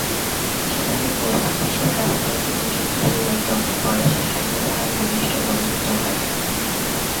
সেখানে পোস্ট-আপিসের কাজে যখন নিযুক্ত ছিলেন তখন পরেশের সঙ্গে তাঁহার ঘনিষ্ঠ বন্ধুত্ব হয়।